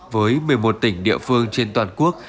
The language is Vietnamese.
với một mươi một tỉnh địa phương trên toàn quốc